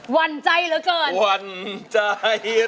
หวั่นใจเหรอก่อนหวั่นใจเหรอ